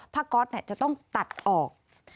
ก๊อตจะต้องตัดออก